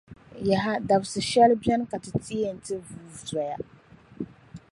Yaha! Dabsi’ shεli beni ka Ti yɛn ti vuui zoya.